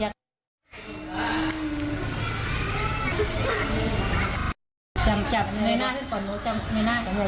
ดู้ใช่ไหมเนี่ยที่คือของเร็วใจห่ายดูด้วยเธอ